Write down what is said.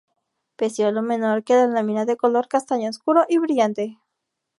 Pecíolo menor que la lámina de color castaño oscuro y brillante.